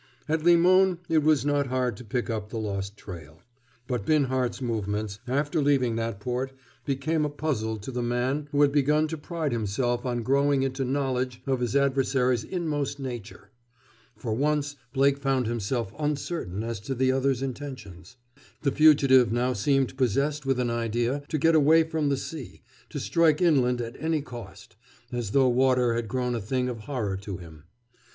At Limon it was not hard to pick up the lost trail. But Binhart's movements, after leaving that port, became a puzzle to the man who had begun to pride himself on growing into knowledge of his adversary's inmost nature. For once Blake found himself uncertain as to the other's intentions. The fugitive now seemed possessed with an idea to get away from the sea, to strike inland at any cost, as though water had grown a thing of horror to him.